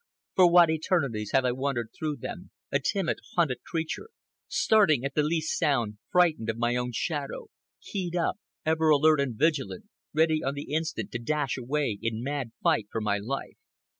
For what eternities have I wandered through them, a timid, hunted creature, starting at the least sound, frightened of my own shadow, keyed up, ever alert and vigilant, ready on the instant to dash away in mad flight for my life.